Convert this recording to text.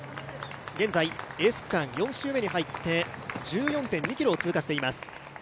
現在エース区間４周目に入って１４．２ｋｍを通過しています。